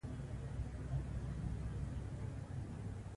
د ملالۍ په باب پوښتنه وکړه.